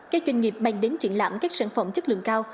các doanh nghiệp mang đến triển lãm các sản phẩm chất lượng cao